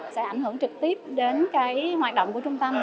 sẽ ảnh hưởng trực tiếp đến cái hoạt động của trung tâm